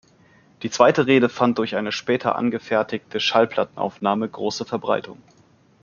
Die zweite Rede fand durch eine später angefertigte Schallplattenaufnahme große Verbreitung.